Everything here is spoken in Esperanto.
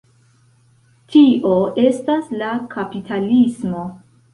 Tio estas la kapitalismo.